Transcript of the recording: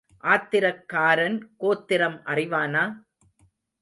ஆத்திரக்காரன் கோத்திரம் அறிவானா?